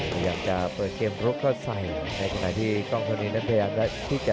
พยายามจะเปิดเกมโดรกอสใหม่ในขณะที่กล้องตอนนี้นั้นพยายามจะ